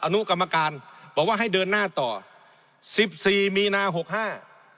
อนุกรรมการบอกว่าให้เดินหน้าต่อสิบสี่มีนาหกห้า